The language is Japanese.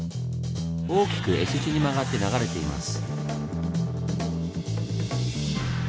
大きくＳ字に曲がって流れています。